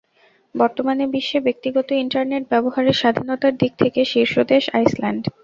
বর্তমানে বিশ্বে ব্যক্তিগত ইন্টারনেট ব্যবহারের স্বাধীনতার দিক থেকে শীর্ষ দেশ আইসল্যান্ড।